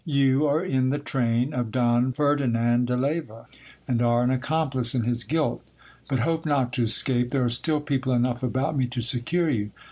You are in the train of Don Ferdinand de Leyva, and are an accomplice in his guilt. But hope not to escape, there are still people enough about me to secure you.